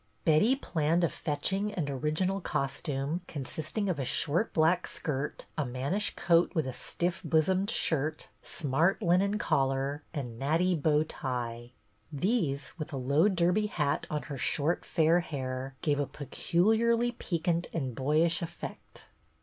Betty planned a fetching and original costume, consisting of a short black skirt, a mannish coat with a stiff bosomed shirt, smart linen collar, and natty bow tie. These, with a low derby hat on her short fair hair, gave a peculiarly piquant and boyish effect.